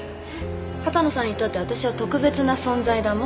羽田野さんにとって私は特別な存在だもん。